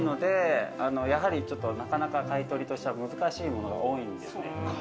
やはり、なかなか買取としては難しいものが多いんです。